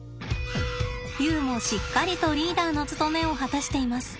ユウもしっかりとリーダーの務めを果たしています。